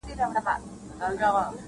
• اوس چي راسي خو په څنګ را نه تېرېږي,